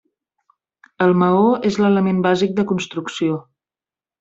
El maó és l'element bàsic de construcció.